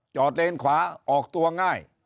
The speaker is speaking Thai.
เลนขวาออกตัวง่าย